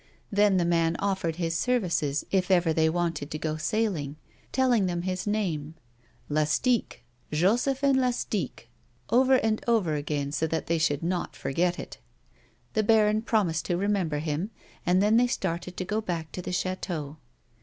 Then the man offered his services if ever they wanted to go sail ing, telling them his name, " Lastique, Josephin Lastique," over and over again so that they should not forget it. The baron promised to remember him, and then they started to go back to the chateau.